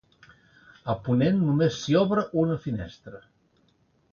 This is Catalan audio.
A ponent només s'hi obre una finestra.